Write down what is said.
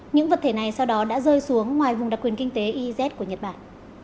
những vật thể này sau đó đã rơi xuống ngoài vùng đặc quyền kinh tế iz của nhật bản